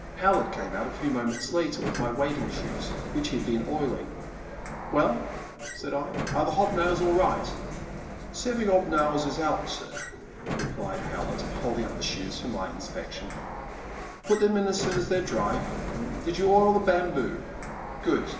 Howlett came out a few moments later with my wading shoes which he had been oiling. Well," said I, are the hob nails all right ?" Seving 'ob nails is h'out, sir," replied How lett, holding up the shoes for my inspection. Put them in as soon as they 're dry. Did you oil the bamboo? Good.